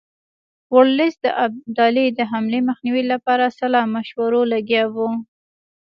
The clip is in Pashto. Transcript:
ورلسټ د ابدالي د حملې مخنیوي لپاره سلا مشورو لګیا وو.